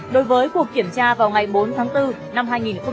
đối với cuộc kiểm tra vào ngày bốn tháng bốn năm hai nghìn một mươi tám